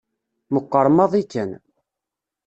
Meqqer maḍi kan.